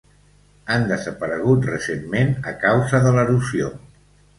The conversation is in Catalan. Han desaparegut recentment a causa de l'erosió.